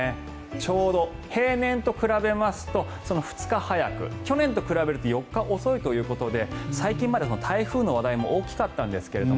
ちょうど平年と比べますと２日早く去年と比べると４日遅いということで最近まで台風の話題も大きかったんですけど